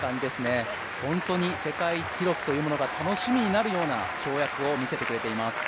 本当に世界記録というものが楽しみになるような跳躍を見せてくれています。